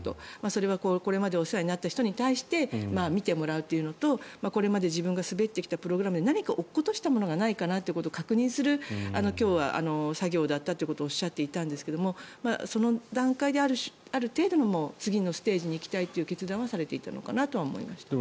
それは、これまでお世話になった人に対して見てもらうというのとこれまで自分が滑ってきたプログラムで何か落としたことがないかというのを確認する今日は作業だったということをおっしゃっていたんですがその段階で、ある程度の次のステージに行きたいという決断はされていたのかなと思いました。